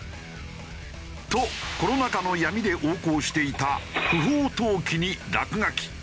とコロナ禍の闇で横行していた不法投棄に落書き。